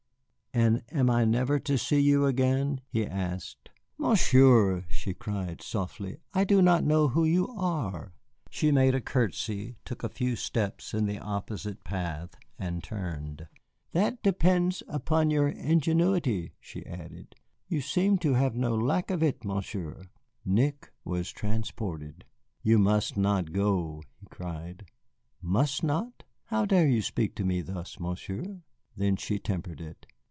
"And am I never to see you again?" he asked. "Monsieur!" she cried softly, "I do not know who you are." She made him a courtesy, took a few steps in the opposite path, and turned. "That depends upon your ingenuity," she added; "you seem to have no lack of it, Monsieur." Nick was transported. "You must not go," he cried. "Must not? How dare you speak to me thus, Monsieur?" Then she tempered it.